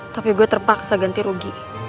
tapi gue terpaksa ganti rugi